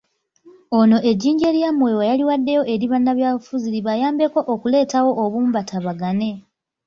Ono ejjinja eryamuweebwa yaliwaddeyo eri bannabyabufuzi libayambeko okuleetawo obumu batabagane.